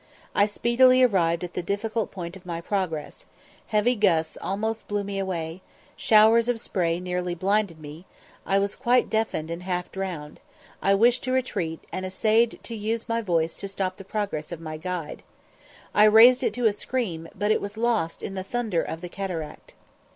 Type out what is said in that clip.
I speedily arrived at the difficult point of my progress: heavy gusts almost blew me away; showers of spray nearly blinded me; I was quite deafened and half drowned; I wished to retreat, and essayed to use my voice to stop the progress of my guide. I raised it to a scream, but it was lost in the thunder of the cataract.